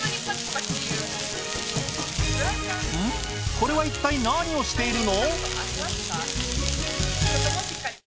これはいったい何をしているの？